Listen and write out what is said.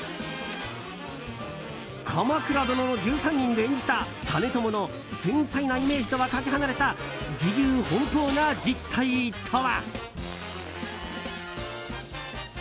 「鎌倉殿の１３人」で演じた実朝の繊細なイメージとはかけ離れた自由奔放な実態とは。